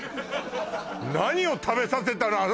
何を食べさせたの？